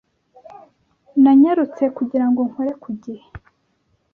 Nanyarutse kugira ngo nkore ku gihe.